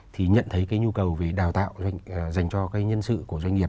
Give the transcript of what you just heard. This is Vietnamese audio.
thì nhận thấy nhu cầu về đào tạo dành cho nhân sự của doanh nghiệp